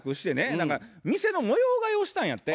何か店の模様替えをしたんやって。